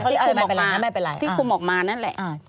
ที่คุณหมอกมาที่คุณหมอกมานั่นแหละ